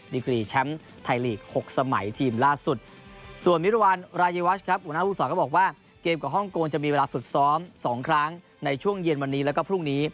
กรีแชมป์ไทยลีก๖สมัยทีมล่าสุดส่วนมิรวรรณรายวัชครับหัวหน้าภูมิสอนก็บอกว่าเกมกับฮ่องกงจะมีเวลาฝึกซ้อมสองครั้งในช่วงเย็นวันนี้แล้วก็พรุ่งนี้